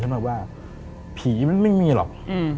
แบบว่าผีมันไม่มีหรอก